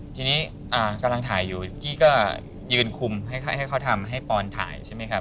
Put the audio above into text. ทีนี้กำลังถ่ายอยู่กี้ก็ยืนคุมให้เขาทำให้ปอนถ่ายใช่ไหมครับ